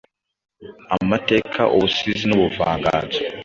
amateka, ubusizi n’ubuvanganzo.